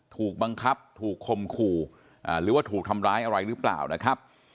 ถูกบังคับถูกคมขู่หรือว่าถูกทำร้ายอะไรหรือเปล่านะครับ